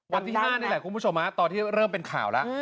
วันที่๕นี่แหละคุณผู้ชมตอนที่เริ่มเป็นข่าวแล้ว